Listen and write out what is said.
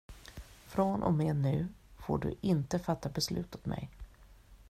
Från och med nu får du inte fatta beslut åt mig.